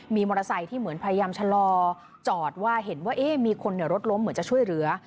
มีมอเตอร์ไซค์ที่เหมือนพยายามชะลอจอดว่าเห็นว่ามีคนรถล้มเหมือนจะช่วยเหลือ